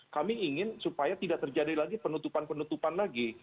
kami ingin supaya tidak terjadi lagi penutupan penutupan lagi